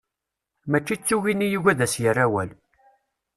Mačči d tugin i yugi ad as-yerrawal.